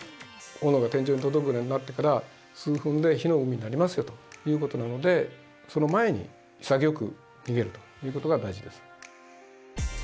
炎が天井に届くようになってから数分で火の海になりますよということなのでその前に潔く逃げるということが大事です。